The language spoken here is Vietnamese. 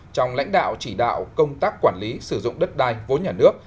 trong lãnh đạo chỉ đạo công tác quản lý sử dụng đất đai vốn nhà nước